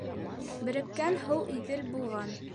Береккән һыу Иҙел булған